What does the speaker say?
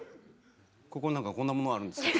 ここに何かこんなものあるんですけど。